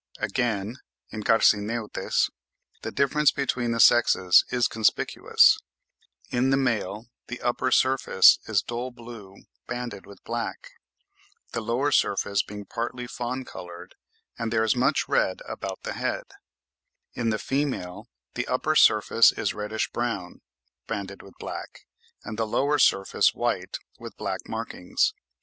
Again, in Carcineutes, the difference between the sexes is conspicuous: in the male the upper surface is dull blue banded with black, the lower surface being partly fawn coloured, and there is much red about the head; in the female the upper surface is reddish brown banded with black, and the lower surface white with black markings.